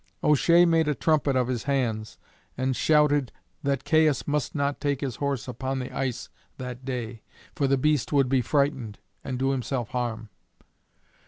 O'Shea made a trumpet of his hands and shouted that Caius must not take his horse upon the ice that day, for the beast would be frightened and do himself harm.